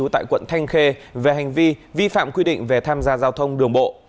tại quận thanh khê về hành vi vi phạm quy định về tham gia giao thông đường bộ